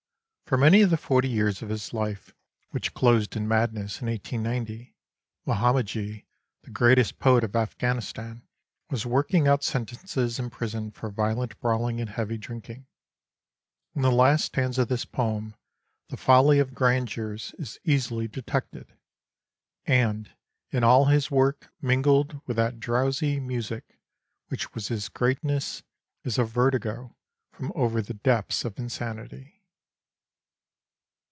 For many of the forty years of his life, which closed in madness in 1890, Muhammadji, the greatest poet of Afghanistan, was working out sentences in prison for violent brawling and heavy drinking. In the last stanza of this poem the folly of grandeurs is easily detected; and in all his work, mingled with that drowsy music which was his greatness, is a vertigo from over the depths of insanity.